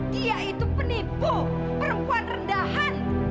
dia itu penipu perempuan rendahan